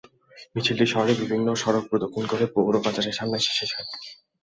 মিছিলটি শহরের বিভিন্ন সড়ক প্রদক্ষিণ করে পৌর বাজারের সামনে এসে শেষ হয়।